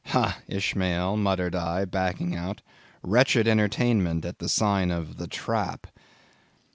Ha, Ishmael, muttered I, backing out, Wretched entertainment at the sign of 'The Trap!